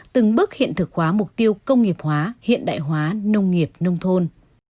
từng bước hiện thực hóa mục tiêu công nghiệp hóa hiện đại hóa nông nghiệp nông thôn